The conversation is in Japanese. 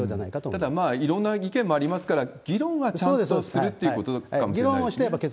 ただ、いろんな意見もありますから、議論はちゃんとするってことかもしれないですね。